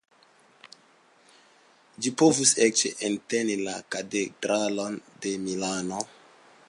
Ĝi povus eĉ enteni la Katedralon de Milano.